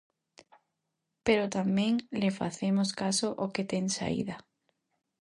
Pero tamén lle facemos caso ao que "ten saída".